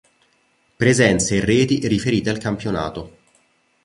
Presenze e reti riferite al campionato.